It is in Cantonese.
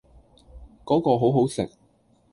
嗰個好好食